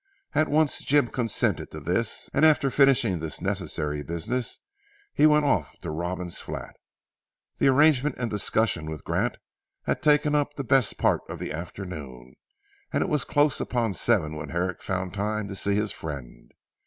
At once Jim consented to this, and after finishing this necessary business, he went off to Robin's flat. The arrangement and discussion with Grant had taken up the best part of the afternoon, and it was close upon seven when Herrick found time to see his friend.